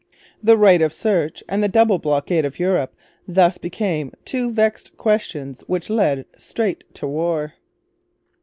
The Right of Search and the double blockade of Europe thus became two vexed questions which led straight to war.